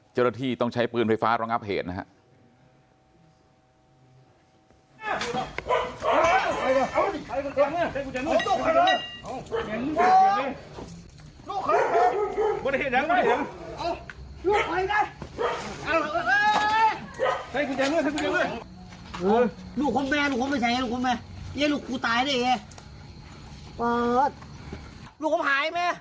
เจ้าหน้าที่ต้องใช้ปืนไฟฟ้ารองับเหตุนะครับ